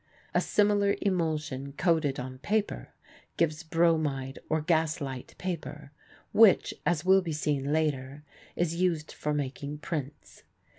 A similar emulsion coated on paper gives bromide or gas light paper, which, as will be seen later, is used for making prints.